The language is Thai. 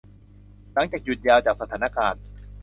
หลังจากหยุดยาว จากสถานการณ์